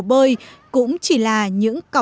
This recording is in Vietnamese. cái được gọi là bơ